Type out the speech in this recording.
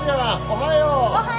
おはよう。